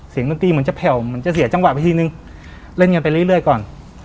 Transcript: เสียงตัวตีมันจะแผ่วมันจะเสียจังหวะไปทีนึงเล่นกันไปเรื่อยเรื่อยก่อน